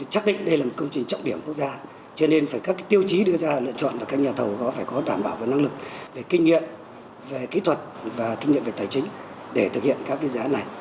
chắc định đây là một công trình trọng điểm quốc gia cho nên phải các tiêu chí đưa ra lựa chọn và các nhà thầu có phải có đảm bảo về năng lực về kinh nghiệm về kỹ thuật và kinh nghiệm về tài chính để thực hiện các dự án này